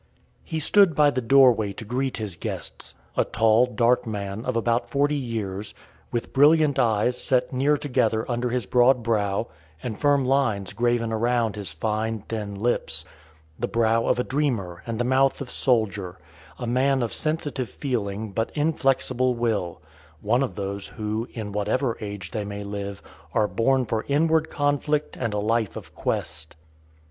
He stood by the doorway to greet his guests a tall, dark man of about forty years, with brilliant eyes set near together under his broad brow, and firm lines graven around his fine, thin lips; the brow of a dreamer and the mouth of a soldier, a man of sensitive feeling but inflexible will one of those who, in whatever age they may live, are born for inward conflict and a life of quest.